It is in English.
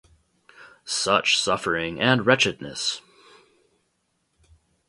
Such suffering and wretchedness.